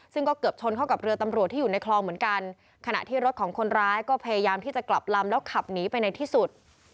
ซึ่งก็เกือบชนเข้ากับเรือตำรวจที่อยู่ในคลองเหมือนกันขณะที่รถของคนร้ายก็พยายามที่จะกลับลำแล้วขับหนีไปในที่สุด